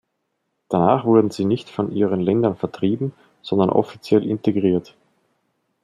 Danach wurden sie nicht von ihren Ländern vertrieben, sondern offiziell integriert.